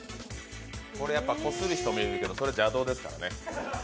これ、やっぱりこする人もいるけどそれは邪道ですからね。